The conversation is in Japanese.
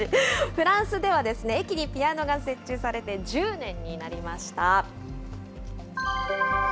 フランスでは駅にピアノが設置されて１０年になりました。